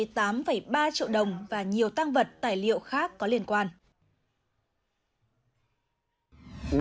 ba triệu đồng và nhiều tăng vật tài liệu khác có liên quan